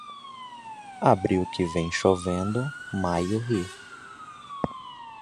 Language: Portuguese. Abril que vem chovendo, maio ri.